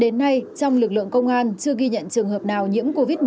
đến nay trong lực lượng công an chưa ghi nhận trường hợp nào nhiễm covid một mươi chín